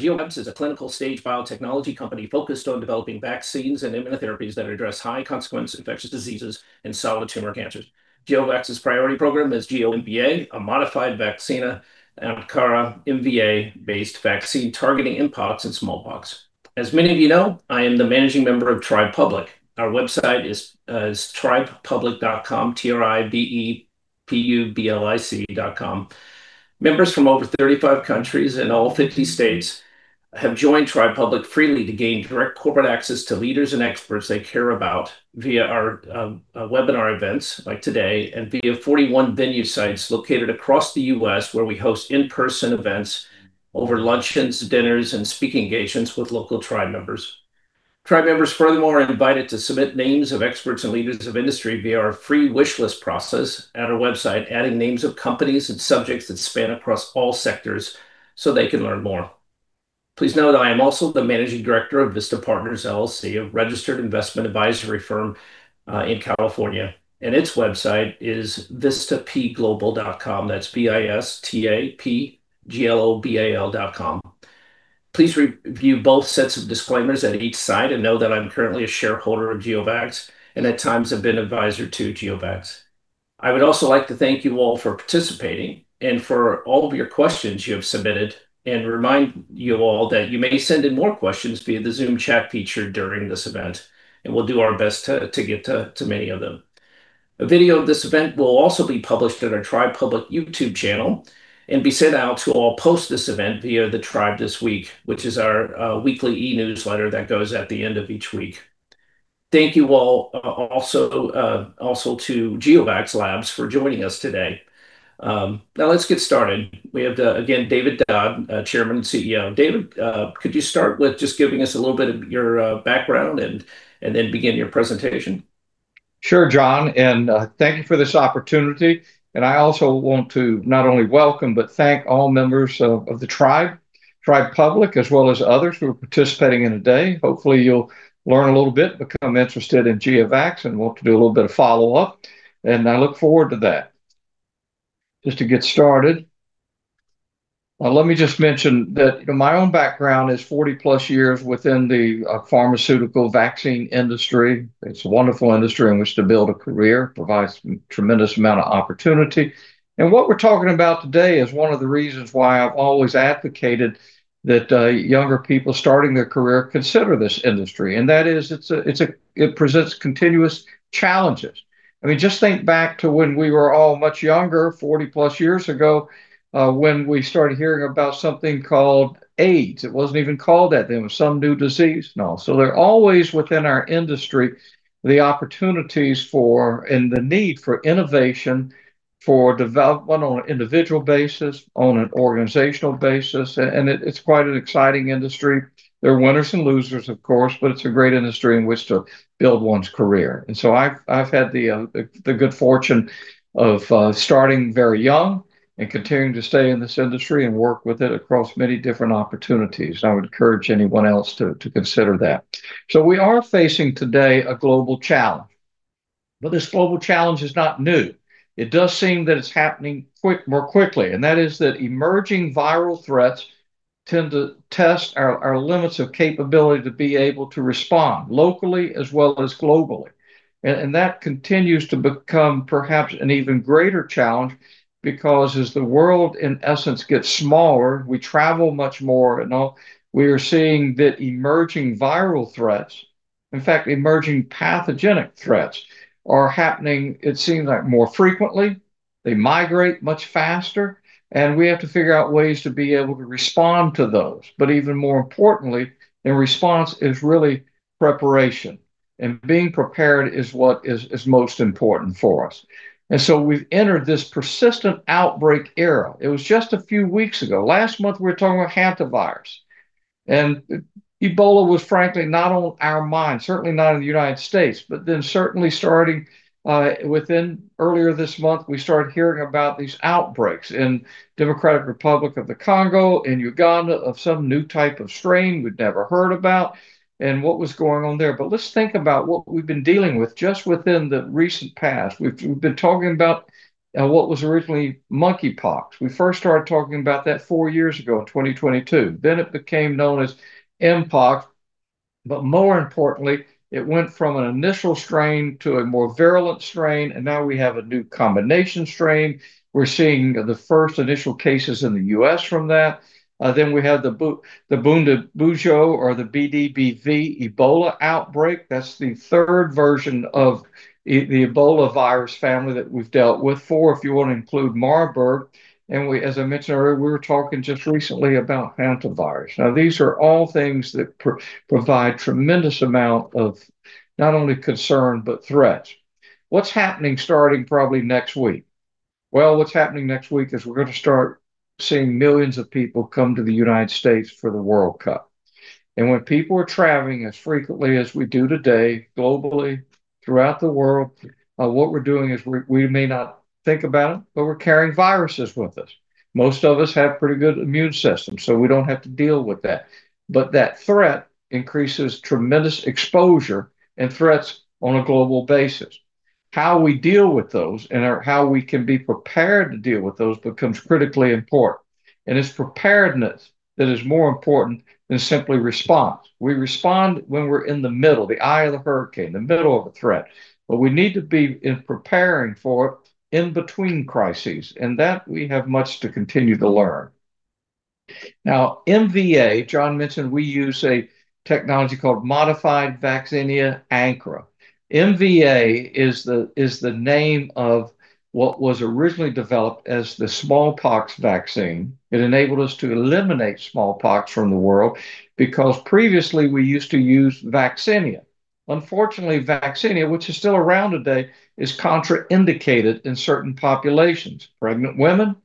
GeoVax is a clinical stage biotechnology company focused on developing vaccines and immunotherapies that address high consequence infectious diseases and solid tumor cancers. GeoVax's priority program is GEO-MVA, a modified vaccinia Ankara MVA-based vaccine targeting Mpox and smallpox. As many of you know, I am the managing member of Tribe Public. Our website is tribepublic.com, T-R-I-B-E-P-U-B-L-I-C .com. Members from over 35 countries and all 50 states have joined Tribe Public freely to gain direct corporate access to leaders and experts they care about via our webinar events like today, and via 41 venue sites located across the U.S. where we host in-person events over luncheons, dinners, and speaking engagements with local tribe members. Tribe members, furthermore, are invited to submit names of experts and leaders of industry via our free wish list process at our website, adding names of companies and subjects that span across all sectors so they can learn more. Please know that I am also the managing director of Vista Partners LLC, a registered investment advisory firm in California, and its website is vistapglobal.com. That's V-I-S-T-A-P-G-L-O-B-A-L.com. Please review both sets of disclaimers at each site and know that I'm currently a shareholder of GeoVax, and at times have been advisor to GeoVax. I would also like to thank you all for participating and for all of your questions you have submitted, and remind you all that you may send in more questions via the Zoom chat feature during this event, and we'll do our best to get to many of them. A video of this event will also be published in our Tribe Public YouTube channel and be sent out to all post this event via The Tribe This Week, which is our weekly e-newsletter that goes at the end of each week. Thank you all also to GeoVax Labs for joining us today. Let's get started. We have, again, David Dodd, Chairman and CEO. David, could you start with just giving us a little bit of your background and then begin your presentation? Sure, John, thank you for this opportunity. I also want to not only welcome, but thank all members of the Tribe Public as well as others who are participating in today. Hopefully, you'll learn a little bit, become interested in GeoVax and want to do a little bit of follow-up, and I look forward to that. Just to get started, let me just mention that my own background is 40+ years within the pharmaceutical vaccine industry. It's a wonderful industry in which to build a career, provides tremendous amount of opportunity. What we're talking about today is one of the reasons why I've always advocated that younger people starting their career consider this industry, and that is, it presents continuous challenges. Just think back to when we were all much younger, 40+ years ago, when we started hearing about something called AIDS. It wasn't even called that then. It was some new disease and all. There are always, within our industry, the opportunities for and the need for innovation, for development on an individual basis, on an organizational basis, and it's quite an exciting industry. There are winners and losers, of course, but it's a great industry in which to build one's career. I've had the good fortune of starting very young and continuing to stay in this industry and work with it across many different opportunities, and I would encourage anyone else to consider that. We are facing today a global challenge. This global challenge is not new. It does seem that it's happening more quickly, and that is that emerging viral threats tend to test our limits of capability to be able to respond locally as well as globally. That continues to become perhaps an even greater challenge because as the world in essence gets smaller, we travel much more and all, we are seeing that emerging viral threats, in fact, emerging pathogenic threats are happening it seems like more frequently. They migrate much faster, and we have to figure out ways to be able to respond to those. Even more importantly in response is really preparation, and being prepared is what is most important for us. So we've entered this persistent outbreak era. It was just a few weeks ago. Last month, we were talking about hantavirus, and Ebola was frankly not on our mind, certainly not in the United States. Certainly starting within earlier this month, we started hearing about these outbreaks in Democratic Republic of the Congo, in Uganda, of some new type of strain we'd never heard about, and what was going on there. Let's think about what we've been dealing with just within the recent past. We've been talking about what was originally monkeypox. We first started talking about that four years ago in 2022. It became known as Mpox. More importantly, it went from an initial strain to a more virulent strain, and now we have a new combination strain. We're seeing the first initial cases in the U.S. from that. We have the Bundibugyo or the BDBV Ebola outbreak. That's the third version of the Ebola virus family that we've dealt with. Four, if you want to include Marburg. As I mentioned earlier, we were talking just recently about hantavirus. These are all things that provide tremendous amount of not only concern, but threat. What's happening starting probably next week? What's happening next week is we're going to start seeing millions of people come to the United States for the World Cup. When people are traveling as frequently as we do today globally throughout the world, what we're doing is we may not think about it, but we're carrying viruses with us. Most of us have pretty good immune systems, so we don't have to deal with that. That threat increases tremendous exposure and threats on a global basis. How we deal with those and how we can be prepared to deal with those becomes critically important. It's preparedness that is more important than simply response. We respond when we're in the middle, the eye of the hurricane, the middle of a threat. We need to be preparing for in between crises, and that we have much to continue to learn. MVA, John mentioned we use a technology called modified vaccinia Ankara. MVA is the name of what was originally developed as the smallpox vaccine. It enabled us to eliminate smallpox from the world, because previously we used to use vaccinia. Vaccinia, which is still around today, is contraindicated in certain populations, pregnant women,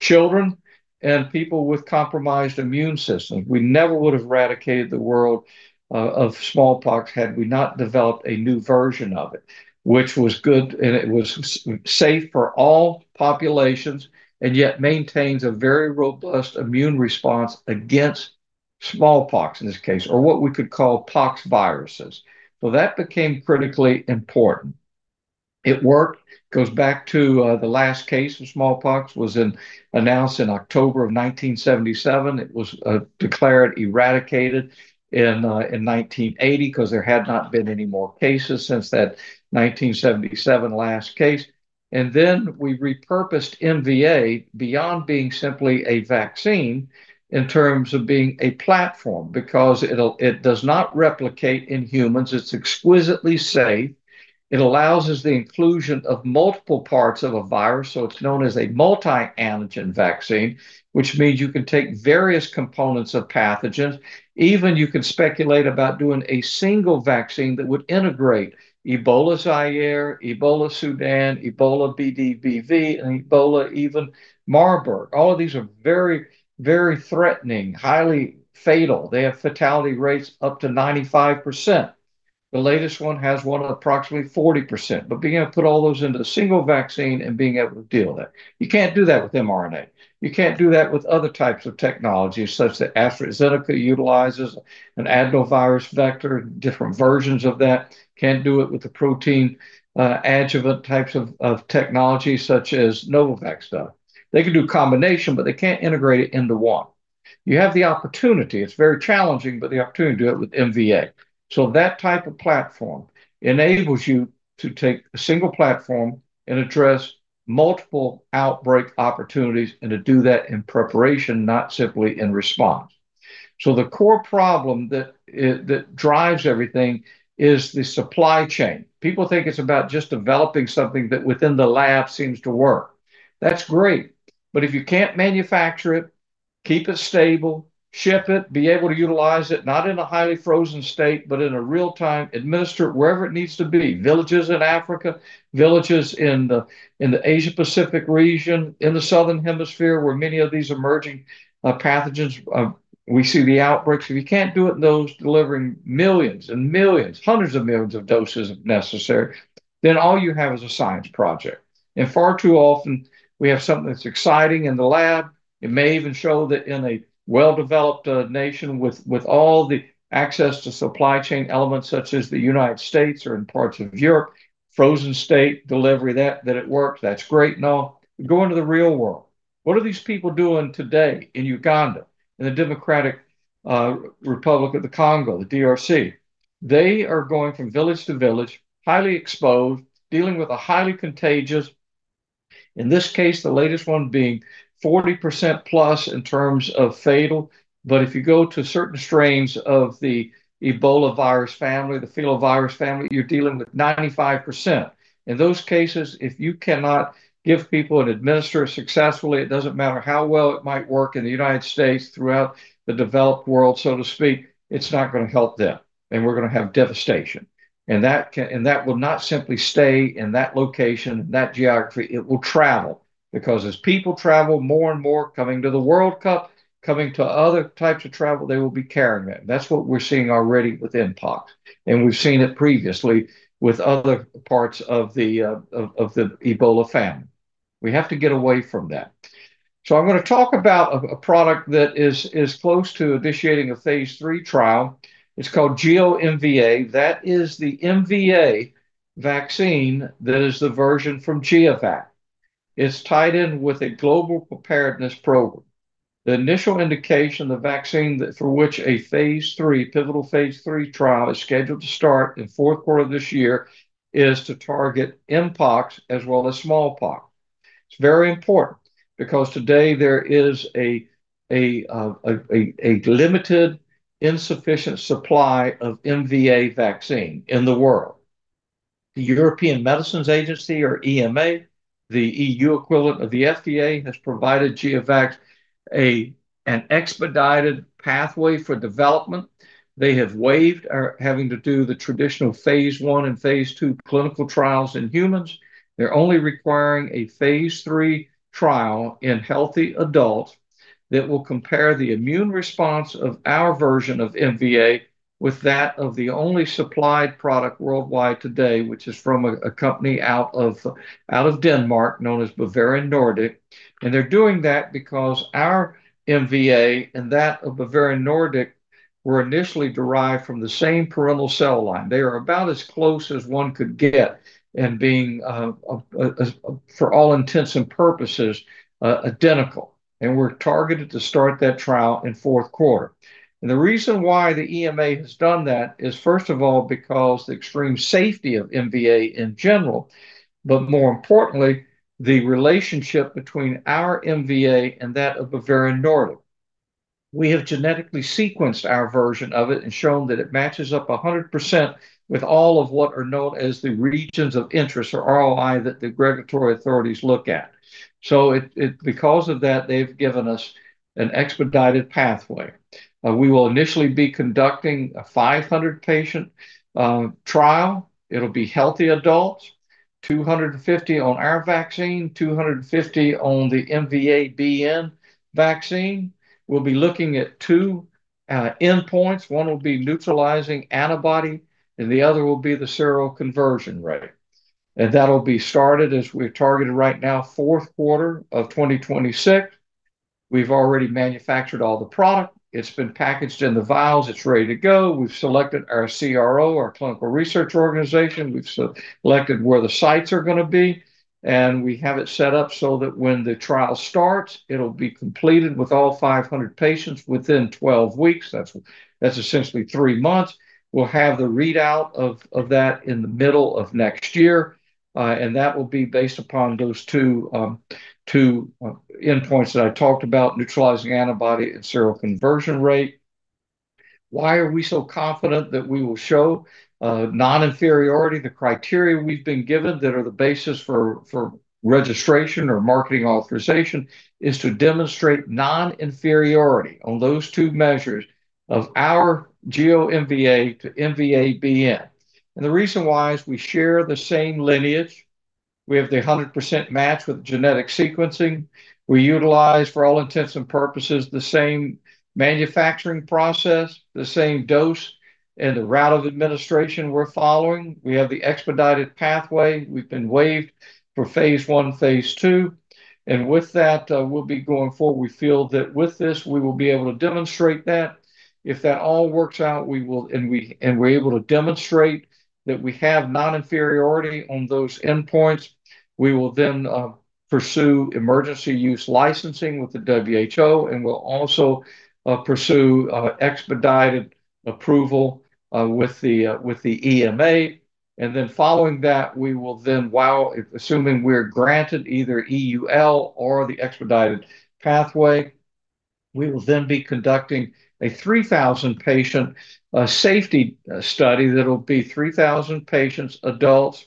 children, and people with compromised immune systems. We never would've eradicated the world of smallpox had we not developed a new version of it, which was good, and it was safe for all populations, and yet maintains a very robust immune response against smallpox in this case, or what we could call pox viruses. That became critically important. It worked. Goes back to the last case of smallpox was announced in October of 1977. It was declared eradicated in 1980 because there had not been any more cases since that 1977 last case. Then we repurposed MVA beyond being simply a vaccine in terms of being a platform. Because it does not replicate in humans. It's exquisitely safe. It allows us the inclusion of multiple parts of a virus, so it's known as a multi-antigen vaccine, which means you can take various components of pathogens. Even you could speculate about doing a single vaccine that would integrate Ebola Zaire, Ebola Sudan, Ebola BDBV, and Ebola even Marburg. All of these are very, very threatening, highly fatal. They have fatality rates up to 95%. The latest one has one of approximately 40%. Being able to put all those into a single vaccine and being able to deal with that. You can't do that with mRNA. You can't do that with other types of technologies, such that AstraZeneca utilizes an adenovirus vector, different versions of that. Can't do it with the protein, adjuvant types of technology such as Novavax does. They can do a combination, but they can't integrate it into one. You have the opportunity, it's very challenging, but the opportunity to do it with MVA. That type of platform enables you to take a single platform and address multiple outbreak opportunities, and to do that in preparation, not simply in response. The core problem that drives everything is the supply chain. People think it's about just developing something that within the lab seems to work. That's great, if you can't manufacture it, keep it stable, ship it, be able to utilize it, not in a highly frozen state, but in a real-time, administer it wherever it needs to be. Villages in Africa, villages in the Asia Pacific region, in the southern hemisphere, where many of these emerging pathogens, we see the outbreaks. If you can't do it in those, delivering millions and millions, hundreds of millions of doses if necessary, then all you have is a science project. Far too often, we have something that's exciting in the lab. It may even show that in a well-developed nation with all the access to supply chain elements such as the United States or in parts of Europe, frozen-state delivery, that it works. That's great and all. Go into the real world. What are these people doing today in Uganda? In the Democratic Republic of the Congo, the DRC? They are going from village to village, highly exposed, dealing with a highly contagious, in this case, the latest one being 40%+ in terms of fatal. If you go to certain strains of the Ebola virus family, the filovirus virus family, you're dealing with 95%. In those cases, if you cannot give people and administer successfully, it doesn't matter how well it might work in the United States, throughout the developed world, so to speak, it's not going to help them, and we're going to have devastation. That will not simply stay in that location, that geography. It will travel, because as people travel more and more, coming to the World Cup, coming to other types of travel, they will be carrying it. That's what we're seeing already with Mpox, and we've seen it previously with other parts of the Ebola family. We have to get away from that. I'm going to talk about a product that is close to initiating a phase III trial. It's called GEO-MVA. That is the MVA vaccine that is the version from GeoVax. It's tied in with a global preparedness program. The initial indication, the vaccine for which a phase III, pivotal phase III trial is scheduled to start in fourth quarter of this year, is to target Mpox as well as smallpox. It's very important because today there is a limited insufficient supply of MVA vaccine in the world. The European Medicines Agency, or EMA, the EU equivalent of the FDA, has provided GeoVax an expedited pathway for development. They have waived having to do the traditional phase I and phase II clinical trials in humans. They're only requiring a phase III trial in healthy adult that will compare the immune response of our version of MVA with that of the only supplied product worldwide today, which is from a company out of Denmark known as Bavarian Nordic. They're doing that because our MVA and that of Bavarian Nordic were initially derived from the same parental cell line. They are about as close as one could get in being, for all intents and purposes, identical. We're targeted to start that trial in fourth quarter. The reason why the EMA has done that is, first of all, because the extreme safety of MVA in general, but more importantly, the relationship between our MVA and that of Bavarian Nordic. We have genetically sequenced our version of it and shown that it matches up 100% with all of what are known as the regions of interest, or ROI, that the regulatory authorities look at. Because of that, they've given us an expedited pathway. We will initially be conducting a 500-patient trial. It'll be healthy adults, 250 on our vaccine, 250 on the MVA-BN vaccine. We'll be looking at two endpoints. One will be neutralizing antibody, and the other will be the seroconversion rate. That'll be started, as we're targeted right now, fourth quarter of 2026. We've already manufactured all the product. It's been packaged in the vials. It's ready to go. We've selected our CRO, our clinical research organization. We've selected where the sites are going to be, and we have it set up so that when the trial starts, it'll be completed with all 500 patients within 12 weeks. That's essentially three months. We'll have the readout of that in the middle of next year. That will be based upon those two endpoints that I talked about, neutralizing antibody and seroconversion rate. Why are we so confident that we will show non-inferiority? The criteria we've been given that are the basis for registration or marketing authorization is to demonstrate non-inferiority on those two measures of our GEO-MVA to MVA-BN. The reason why is we share the same lineage. We have the 100% match with genetic sequencing. We utilize, for all intents and purposes, the same manufacturing process, the same dose, and the route of administration we're following. We have the expedited pathway. We've been waived for phase I, phase II. With that, we'll be going forward. We feel that with this, we will be able to demonstrate that. If that all works out, and we're able to demonstrate that we have non-inferiority on those endpoints, we will then pursue Emergency Use Listing with the WHO, and we'll also pursue expedited approval with the EMA. Following that, assuming we're granted either EUL or the expedited pathway, we will then be conducting a 3,000-patient safety study that'll be 3,000 patients, adults.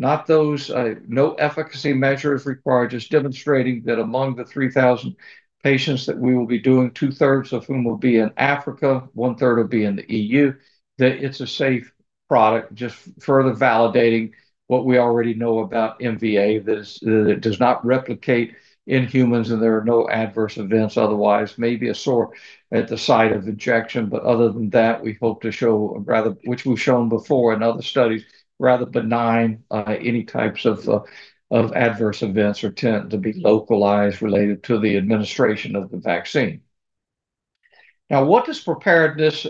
No efficacy measure is required, just demonstrating that among the 3,000 patients that we will be doing, two-thirds of whom will be in Africa, one-third will be in the EU, that it's a safe product, just further validating what we already know about MVA, that it does not replicate in humans, and there are no adverse events otherwise. Maybe a sore at the site of injection. Other than that, we hope to show, which we've shown before in other studies, rather benign any types of adverse events, or tend to be localized related to the administration of the vaccine. What does preparedness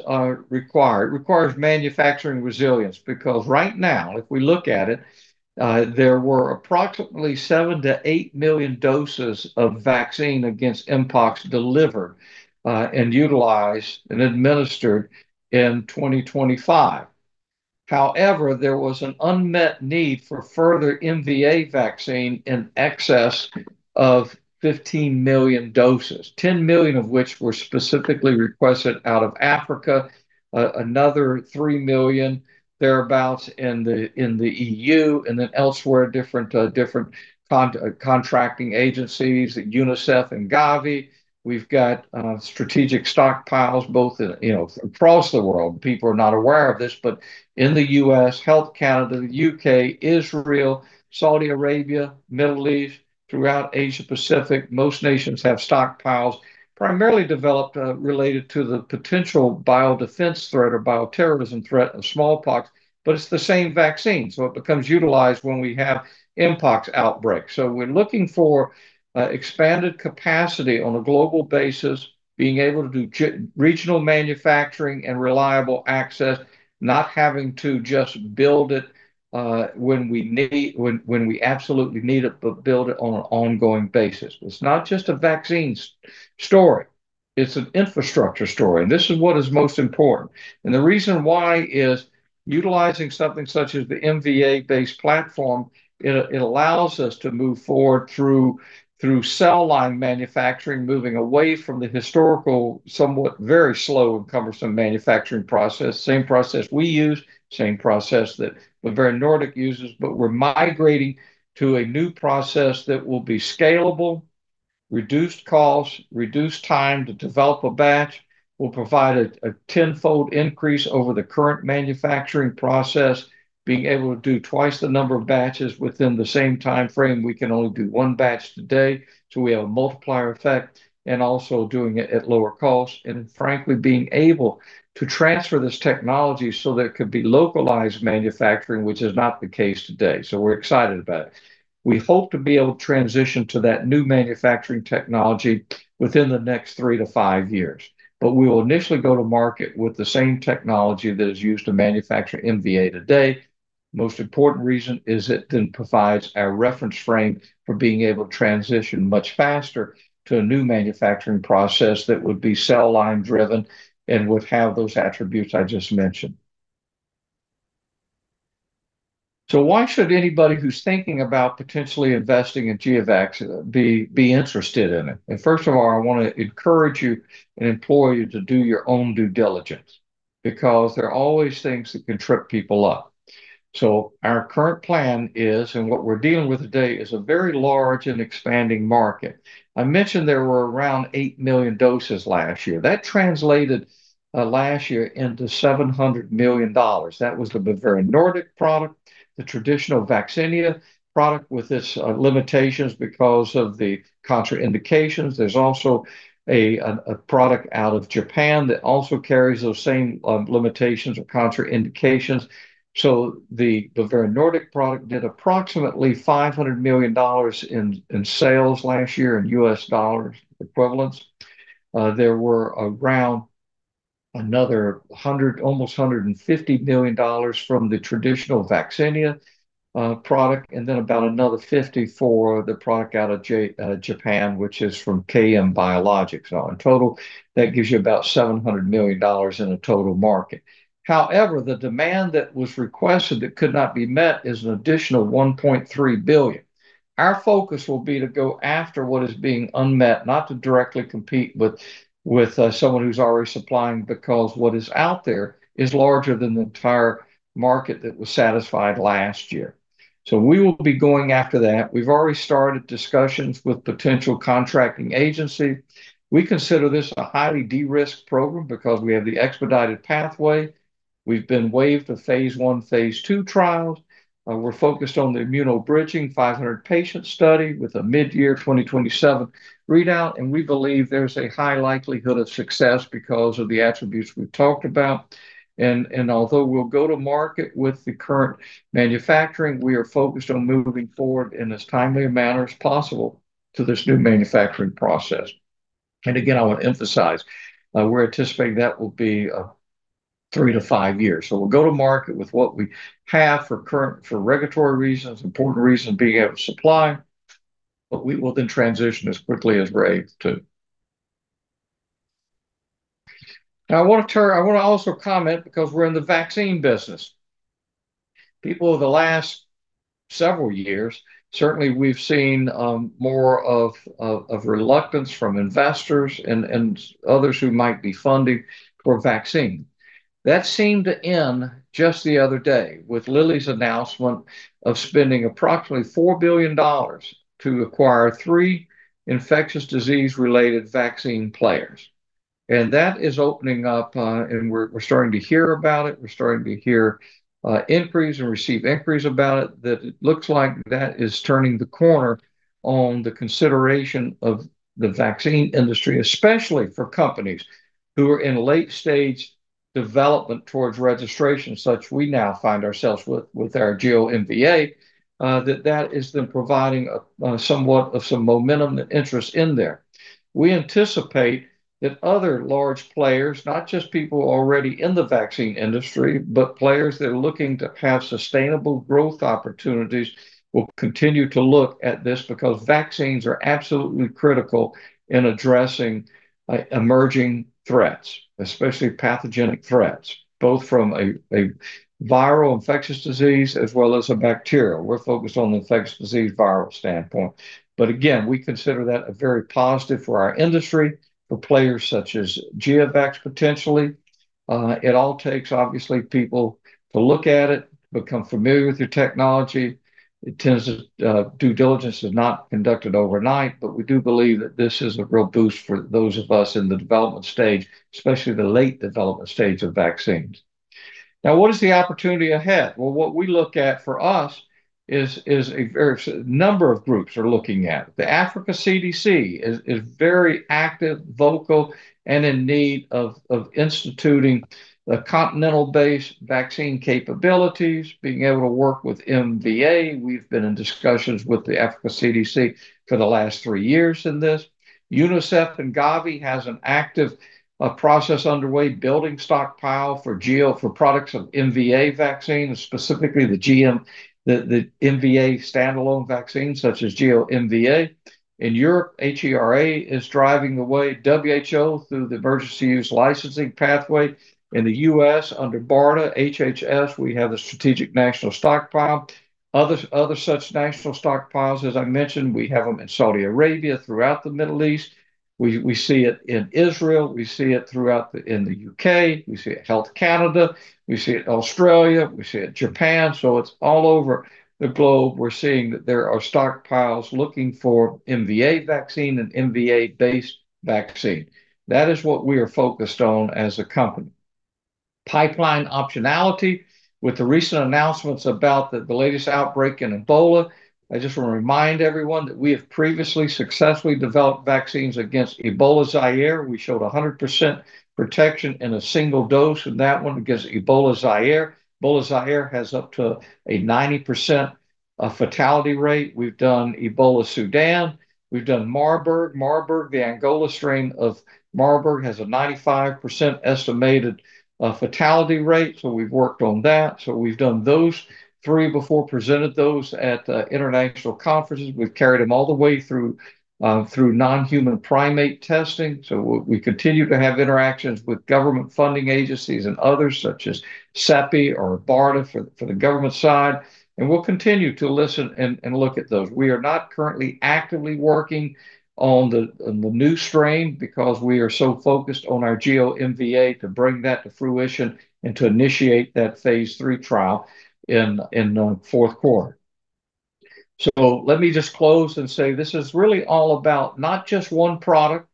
require? It requires manufacturing resilience. Right now, if we look at it, there were approximately seven to eight million doses of vaccine against Mpox delivered, and utilized, and administered in 2025. However, there was an unmet need for further MVA vaccine in excess of 15 million doses, 10 million of which were specifically requested out of Africa, another three million, thereabouts, in the EU, and elsewhere, different contracting agencies, UNICEF and Gavi. We've got strategic stockpiles both across the world. People are not aware of this, but in the U.S., Health Canada, the U.K., Israel, Saudi Arabia, Middle East, throughout Asia-Pacific, most nations have stockpiles primarily developed related to the potential biodefense threat or bioterrorism threat of smallpox, but it's the same vaccine. It becomes utilized when we have Mpox outbreaks. We're looking for expanded capacity on a global basis, being able to do regional manufacturing and reliable access, not having to just build it when we absolutely need it, but build it on an ongoing basis. It's not just a vaccines story. It's an infrastructure story, this is what is most important. The reason why is utilizing something such as the MVA-based platform, it allows us to move forward through cell line manufacturing, moving away from the historical, somewhat very slow and cumbersome manufacturing process. Same process we use, same process that Bavarian Nordic uses, but we're migrating to a new process that will be scalable. Reduced costs, reduced time to develop a batch will provide a tenfold increase over the current manufacturing process, being able to do twice the number of batches within the same time frame. We can only do one batch today, so we have a multiplier effect, and also doing it at lower cost. Frankly, being able to transfer this technology so there could be localized manufacturing, which is not the case today. We're excited about it. We hope to be able to transition to that new manufacturing technology within the next three to five years. We will initially go to market with the same technology that is used to manufacture MVA today. Most important reason is it then provides a reference frame for being able to transition much faster to a new manufacturing process that would be cell line driven and would have those attributes I just mentioned. Why should anybody who's thinking about potentially investing in GeoVax be interested in it? First of all, I want to encourage you and implore you to do your own due diligence, because there are always things that can trip people up. Our current plan is, and what we're dealing with today is a very large and expanding market. I mentioned there were around eight million doses last year. That translated last year into $700 million. That was the Bavarian Nordic product, the traditional vaccinia product with its limitations because of the contraindications. There's also a product out of Japan that also carries those same limitations or contraindications. The Bavarian Nordic product did approximately $500 million in sales last year in US dollars equivalents. There were around another almost $150 million from the traditional Vaccinia product, and then about another $50 for the product out of Japan, which is from KM Biologics. In total, that gives you about $700 million in a total market. However, the demand that was requested that could not be met is an additional $1.3 billion. Our focus will be to go after what is being unmet, not to directly compete with someone who's already supplying, because what is out there is larger than the entire market that was satisfied last year. We will be going after that. We've already started discussions with potential contracting agency. We consider this a highly de-risked program because we have the expedited pathway. We've been waived of phase I, phase II trials. We're focused on the immunobridging 500-patient study with a mid-year 2027 readout. We believe there's a high likelihood of success because of the attributes we've talked about. Although we'll go to market with the current manufacturing, we are focused on moving forward in as timely a manner as possible to this new manufacturing process. Again, I want to emphasize, we're anticipating that will be three to five years. We'll go to market with what we have for regulatory reasons, important reason being able to supply, but we will then transition as quickly as we're able to. I want to also comment because we're in the vaccine business. People over the last several years, certainly we've seen more of reluctance from investors and others who might be funding for a vaccine. That seemed to end just the other day with Lilly's announcement of spending approximately $4 billion to acquire three infectious disease-related vaccine players. That is opening up, and we're starting to hear about it. We're starting to hear inquiries and receive inquiries about it that it looks like that is turning the corner on the consideration of the vaccine industry, especially for companies who are in late-stage development towards registration, such we now find ourselves with our GEO-MVA, that is then providing somewhat of some momentum and interest in there. We anticipate that other large players, not just people already in the vaccine industry, but players that are looking to have sustainable growth opportunities will continue to look at this because vaccines are absolutely critical in addressing emerging threats, especially pathogenic threats, both from a viral infectious disease as well as a bacterial. We're focused on the infectious disease viral standpoint. Again, we consider that a very positive for our industry, for players such as GeoVax, potentially. It all takes, obviously, people to look at it, become familiar with the technology. Due diligence is not conducted overnight, but we do believe that this is a real boost for those of us in the development stage, especially the late development stage of vaccines. What is the opportunity ahead? What we look at for us is a number of groups are looking at. The Africa CDC is very active, vocal, and in need of instituting the continental base vaccine capabilities, being able to work with MVA. We've been in discussions with the Africa CDC for the last three years in this. UNICEF and Gavi has an active process underway, building stockpile for products of MVA vaccines, specifically the MVA standalone vaccines such as GEO-MVA. In Europe, HERA is driving the way. WHO through the Emergency Use Listing pathway. In the U.S., under BARDA HHS, we have a Strategic National Stockpile. Other such national stockpiles, as I mentioned, we have them in Saudi Arabia, throughout the Middle East. We see it in Israel. We see it in the U.K. We see it Health Canada. We see it Australia. We see it Japan. It's all over the globe. We're seeing that there are stockpiles looking for MVA vaccine and MVA-based vaccine. That is what we are focused on as a company. Pipeline optionality with the recent announcements about the latest outbreak in Ebola. I just want to remind everyone that we have previously successfully developed vaccines against Ebola Zaire. We showed 100% protection in a single dose in that one against Ebola Zaire. Ebola Zaire has up to a 90% fatality rate. We've done Ebola Sudan. We've done Marburg. Marburg, the Angola strain of Marburg, has a 95% estimated fatality rate. We've worked on that. We've done those three before, presented those at international conferences. We've carried them all the way through non-human primate testing. We continue to have interactions with government funding agencies and others, such as CEPI or BARDA for the government side. We'll continue to listen and look at those. We are not currently actively working on the new strain because we are so focused on our GEO-MVA to bring that to fruition and to initiate that phase III trial in the fourth quarter. Let me just close and say this is really all about not just one product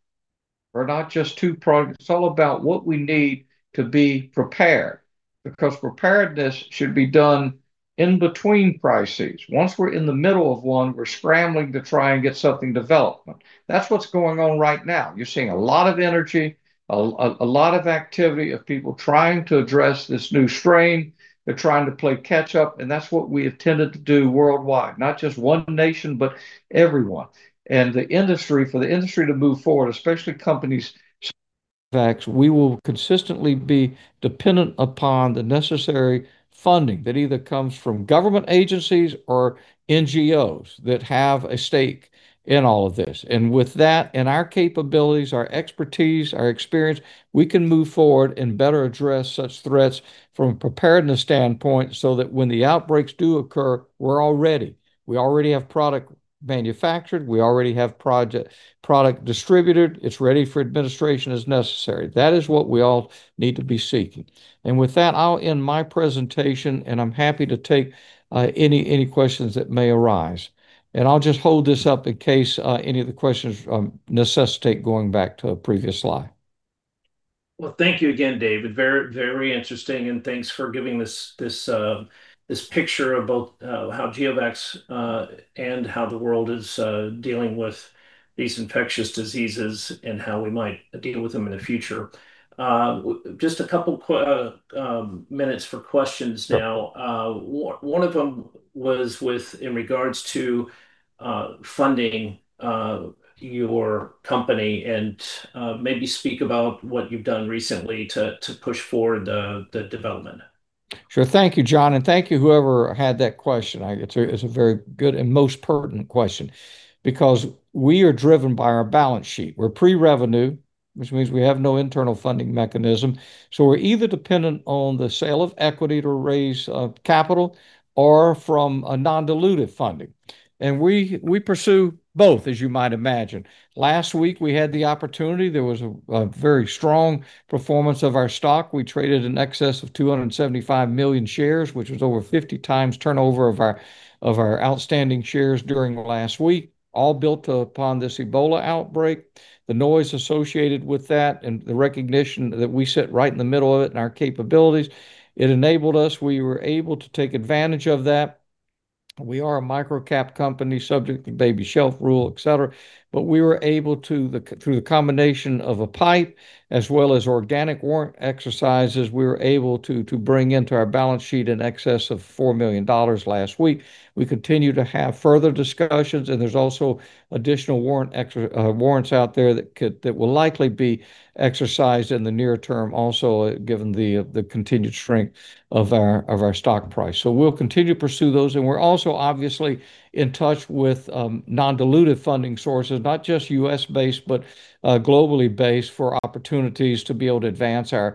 or not just two products. It's all about what we need to be prepared, because preparedness should be done in between crises. Once we're in the middle of one, we're scrambling to try and get something developed. That's what's going on right now. You're seeing a lot of energy, a lot of activity of people trying to address this new strain. They're trying to play catch up, and that's what we have tended to do worldwide, not just one nation, but everyone. For the industry to move forward, especially companies GeoVax, we will consistently be dependent upon the necessary funding that either comes from government agencies or NGOs that have a stake in all of this. With that and our capabilities, our expertise, our experience, we can move forward and better address such threats from a preparedness standpoint so that when the outbreaks do occur, we're all ready. We already have product manufactured. We already have product distributed. It's ready for administration as necessary. That is what we all need to be seeking. With that, I'll end my presentation and I'm happy to take any questions that may arise. I'll just hold this up in case any of the questions necessitate going back to a previous slide. Well, thank you again, David. Very interesting and thanks for giving this picture of both how GeoVax and how the world is dealing with these infectious diseases and how we might deal with them in the future. Just a couple minutes for questions now. One of them was in regards to funding your company, and maybe speak about what you've done recently to push forward the development. Thank you, John, and thank you whoever had that question. It's a very good and most pertinent question because we are driven by our balance sheet. We're pre-revenue, which means we have no internal funding mechanism. We're either dependent on the sale of equity to raise capital or from a non-dilutive funding, and we pursue both, as you might imagine. Last week, we had the opportunity. There was a very strong performance of our stock. We traded in excess of 275 million shares, which was over 50 times turnover of our outstanding shares during last week, all built upon this Ebola outbreak, the noise associated with that, and the recognition that we sit right in the middle of it and our capabilities. It enabled us. We were able to take advantage of that. We are a microcap company subject to baby shelf rule, et cetera. Through the combination of a PIPE as well as organic warrant exercises, we were able to bring into our balance sheet in excess of $4 million last week. We continue to have further discussions, and there's also additional warrants out there that will likely be exercised in the near term also, given the continued strength of our stock price. We'll continue to pursue those. We're also obviously in touch with non-dilutive funding sources, not just U.S.-based, but globally based for opportunities to be able to advance our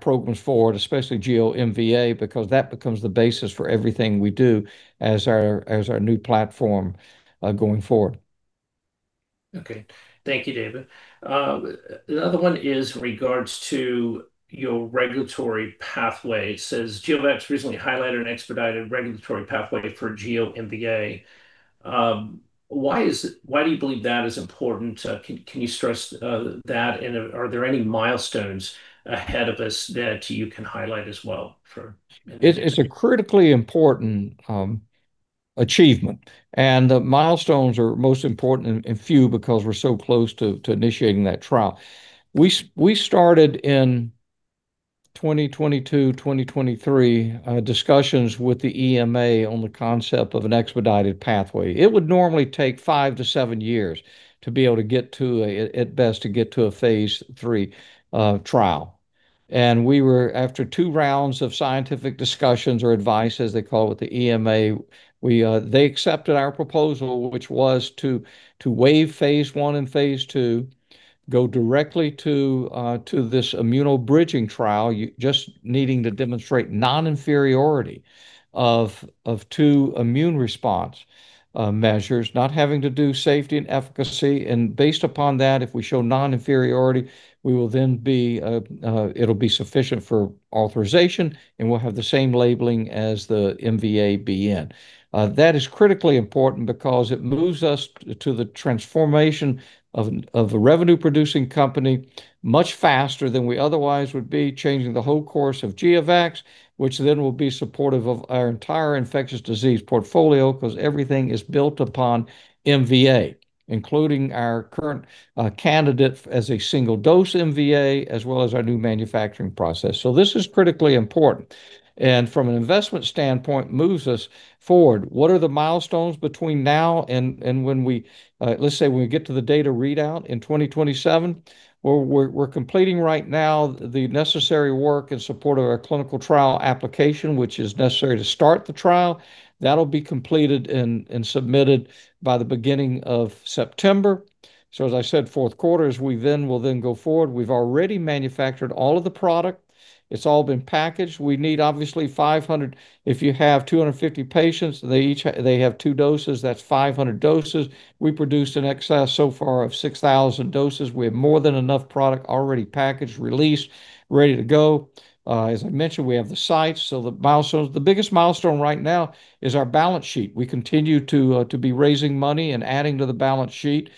programs forward, especially GEO-MVA, because that becomes the basis for everything we do as our new platform going forward. Okay. Thank you, David. The other one is in regards to your regulatory pathway. Says GeoVax recently highlighted an expedited regulatory pathway for GEO-MVA. Why do you believe that is important? Can you stress that? Are there any milestones ahead of us that you can highlight as well. It's a critically important achievement, and the milestones are most important and few because we're so close to initiating that trial. We started in 2022, 2023, discussions with the EMA on the concept of an expedited pathway. It would normally take five to seven years to be able to get to a, at best, to get to a phase III trial. We were after two rounds of scientific discussions or advice, as they call it, the EMA, they accepted our proposal, which was to waive phase I and phase II, go directly to this immunobridging trial, just needing to demonstrate non-inferiority of two immune response measures, not having to do safety and efficacy. Based upon that, if we show non-inferiority, it'll be sufficient for authorization, and we'll have the same labeling as the MVA-BN. That is critically important because it moves us to the transformation of a revenue-producing company much faster than we otherwise would be, changing the whole course of GeoVax, which then will be supportive of our entire infectious disease portfolio because everything is built upon MVA, including our current candidate as a single-dose MVA, as well as our new manufacturing process. This is critically important, and from an investment standpoint, moves us forward. What are the milestones between now and when we get to the data readout in 2027? Well, we're completing right now the necessary work in support of our clinical trial application, which is necessary to start the trial. That'll be completed and submitted by the beginning of September. As I said, fourth quarter is we will then go forward. We've already manufactured all of the product. It's all been packaged. We need obviously 500. If you have 250 patients, they have two doses, that's 500 doses. We produced in excess so far of 6,000 doses. We have more than enough product already packaged, released, ready to go. As I mentioned, we have the sites. The milestone, the biggest milestone right now is our balance sheet. We continue to be raising money and adding to the balance sheet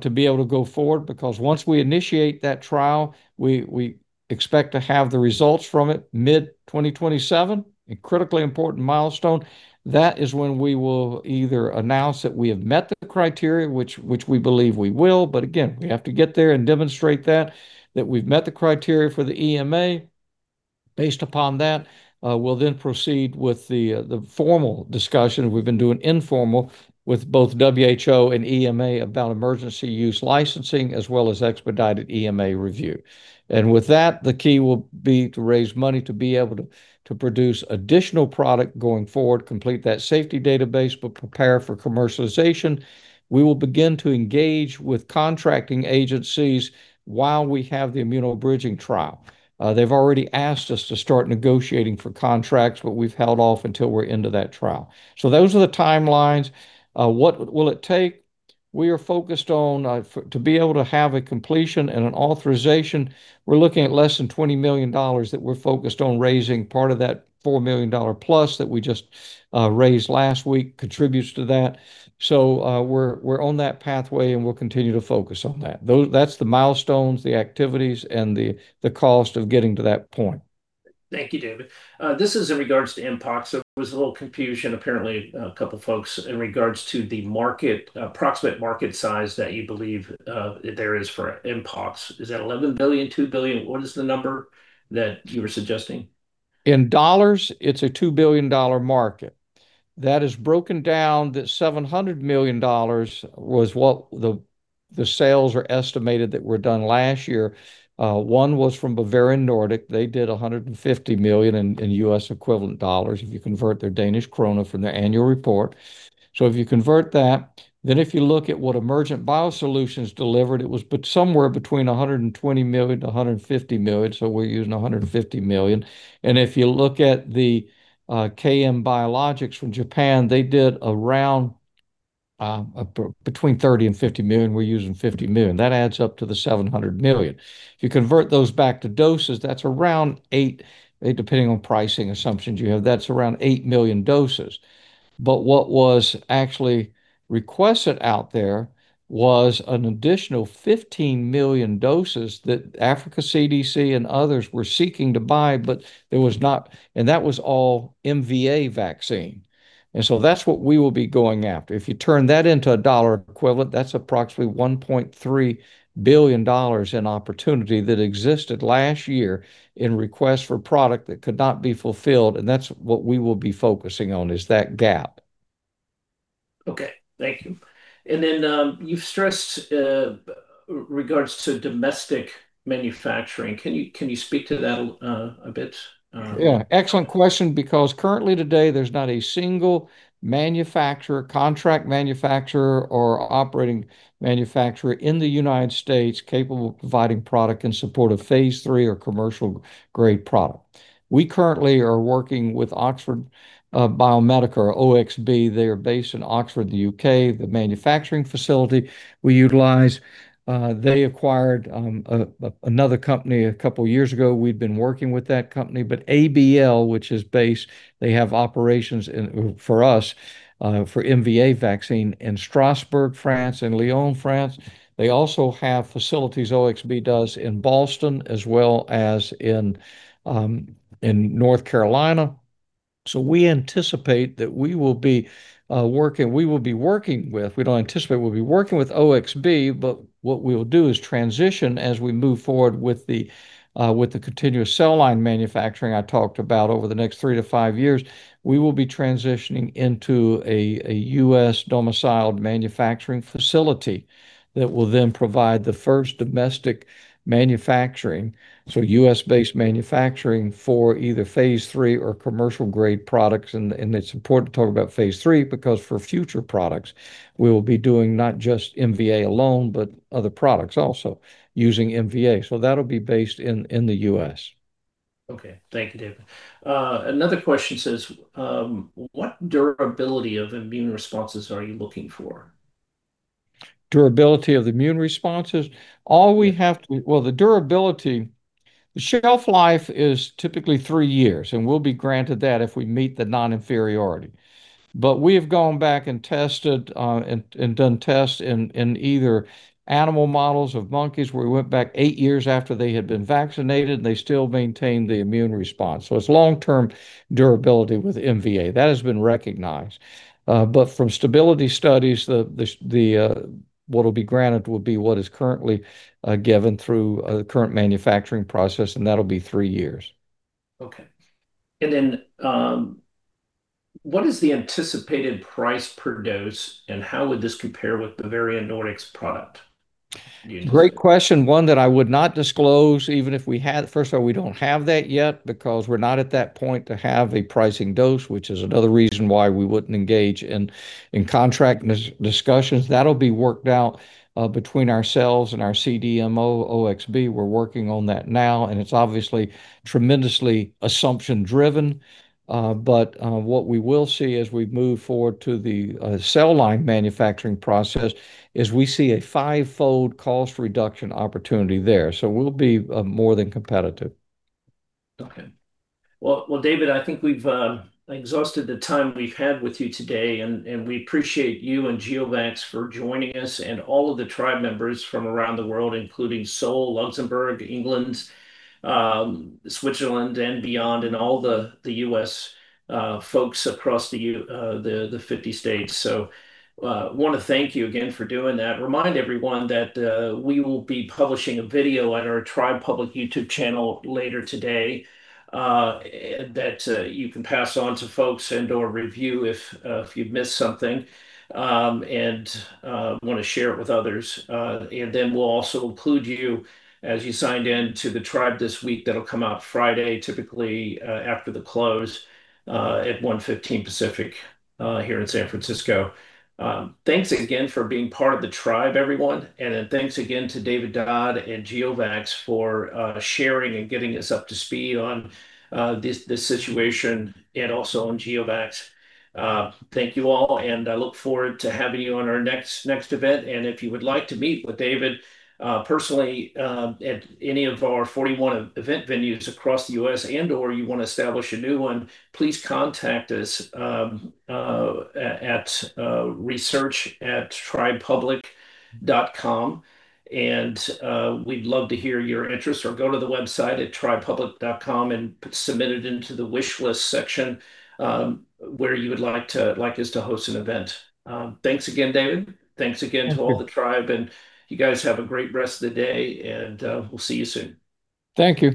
to be able to go forward, because once we initiate that trial, we expect to have the results from it mid-2027, a critically important milestone. That is when we will either announce that we have met the criteria, which we believe we will. Again, we have to get there and demonstrate that we've met the criteria for the EMA. Based upon that, we'll then proceed with the formal discussion. We've been doing informal with both WHO and EMA about Emergency Use Listing, as well as expedited EMA review. With that, the key will be to raise money to be able to produce additional product going forward, complete that safety database, but prepare for commercialization. We will begin to engage with contracting agencies while we have the immunobridging trial. They've already asked us to start negotiating for contracts, but we've held off until we're into that trial. Those are the timelines. What will it take? We are focused on to be able to have a completion and an authorization. We're looking at less than $20 million that we're focused on raising. Part of that $4 million plus that we just raised last week contributes to that. We're on that pathway, and we'll continue to focus on that. That's the milestones, the activities, and the cost of getting to that point. Thank you, David. This is in regards to Mpox. There was a little confusion, apparently, a couple folks in regards to the approximate market size that you believe there is for Mpox. Is that $11 billion, $2 billion? What is the number that you were suggesting? It is a $2 billion market. That is broken down that $700 million was what the sales are estimated that were done last year. One was from Bavarian Nordic. They did $150 million in US equivalent dollars if you convert their Danish kroner from their annual report. If you convert that, if you look at what Emergent BioSolutions delivered, it was somewhere between $120 million-$150 million, so we are using $150 million. If you look at the KM Biologics from Japan, they did around between $30 million-$50 million. We are using $50 million. That adds up to the $700 million. If you convert those back to doses, that is around eight, depending on pricing assumptions you have, that is around eight million doses. What was actually requested out there was an additional 15 million doses that Africa CDC and others were seeking to buy. That was all MVA vaccine. That's what we will be going after. If you turn that into a dollar equivalent, that's approximately $1.3 billion in opportunity that existed last year in requests for product that could not be fulfilled. That's what we will be focusing on, is that gap. Okay. Thank you. You've stressed regards to domestic manufacturing. Can you speak to that a bit? Excellent question, because currently today, there's not a single manufacturer, contract manufacturer, or operating manufacturer in the U.S. capable of providing product in support of phase III or commercial-grade product. We currently are working with Oxford Biomedica, or OXB. They are based in Oxford, the U.K., the manufacturing facility we utilize. They acquired another company a couple years ago. We'd been working with that company. ABL, which is based, they have operations in, for us, for MVA vaccine in Strasbourg, France, and Lyon, France. They also have facilities, OXB does, in Boston as well as in North Carolina. We anticipate that we will be working with OXB, but what we will do is transition as we move forward with the continuous cell line manufacturing I talked about over the next three to five years. We will be transitioning into a U.S. domiciled manufacturing facility that will then provide the first domestic manufacturing, so U.S.-based manufacturing for either phase III or commercial grade products. It's important to talk about phase III because for future products, we will be doing not just MVA alone, but other products also using MVA. That'll be based in the U.S. Okay. Thank you, David. Another question says, "What durability of immune responses are you looking for? Durability of immune responses? Well, the durability, the shelf life is typically three years, and we'll be granted that if we meet the non-inferiority. We have gone back and done tests in either animal models of monkeys, where we went back eight years after they had been vaccinated, and they still maintained the immune response. It's long-term durability with MVA. That has been recognized. From stability studies, what'll be granted will be what is currently given through the current manufacturing process, and that'll be three years. Okay. What is the anticipated price per dose, and how would this compare with the Bavarian Nordic's product? Do you know? Great question, one that I would not disclose even if we had. First of all, we don't have that yet because we're not at that point to have a pricing dose, which is another reason why we wouldn't engage in contract discussions. That'll be worked out between ourselves and our CDMO, OXB. We're working on that now, and it's obviously tremendously assumption driven. What we will see as we move forward to the cell line manufacturing process is we see a five-fold cost reduction opportunity there. We'll be more than competitive. Okay. Well, David, I think we've exhausted the time we've had with you today. We appreciate you and GeoVax for joining us and all of the Tribe members from around the world, including Seoul, Luxembourg, England, Switzerland, and beyond, and all the U.S. folks across the 50 states. We want to thank you again for doing that. Remind everyone that we will be publishing a video on our Tribe Public YouTube channel later today that you can pass on to folks and/or review if you've missed something, and want to share it with others. We'll also include you as you signed in to the Tribe this week. That'll come out Friday, typically after the close, at 1:15 P.M. Pacific, here in San Francisco. Thanks again for being part of the tribe, everyone, and then thanks again to David Dodd and GeoVax for sharing and getting us up to speed on this situation and also on GeoVax. Thank you all, and I look forward to having you on our next event. If you would like to meet with David personally at any of our 41 event venues across the U.S. and/or you want to establish a new one, please contact us at research@tribepublic.com. We'd love to hear your interest, or go to the website at tribepublic.com and submit it into the wishlist section, where you would like us to host an event. Thanks again, David. Thank you. All the tribe. You guys have a great rest of the day, and we'll see you soon. Thank you.